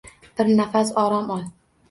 Bir nafas orom ol